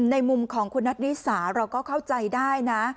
ในมุมของคุณนัทนิสาเราก็เข้าใจได้นะ